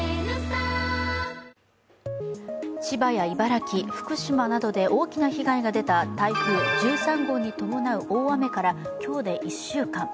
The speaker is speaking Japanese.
千葉や茨城、福島などで大きな被害が出た台風１３号に伴う大雨から、今日で１週間。